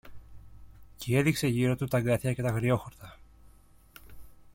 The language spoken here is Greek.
Κι έδειξε γύρω του τ' αγκάθια και τ' αγριόχορτα